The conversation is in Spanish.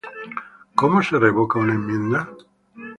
¿Cómo se revoca una enmienda?